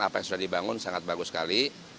apa yang sudah dibangun sangat bagus sekali